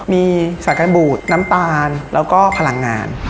มีสายการบูดน้ำตาลแล้วก็พลังงาน